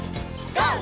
ＧＯ！